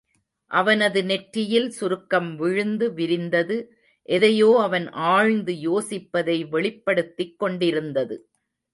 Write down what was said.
அவனது நெற்றியில் சுருக்கம் விழுந்து விரிந்தது, எதையோ அவன் ஆழ்ந்து யோசிப்பதை வெளிப்படுத்திக் கொண்டிருந்தது.